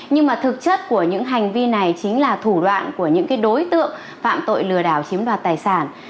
nhưng mà thực chất của những hành vi này chính là thủ đoạn của những đối tượng phạm tội lừa đảo chiếm đoạt tài sản